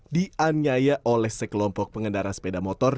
dianyaya oleh sekelompok pengendara sepeda motor